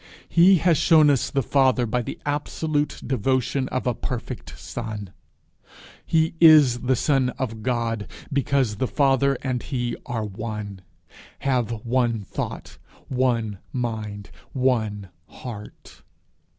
He has shown us the Father by the absolute devotion of a perfect son. He is the Son of God because the Father and he are one, have one thought, one mind, one heart.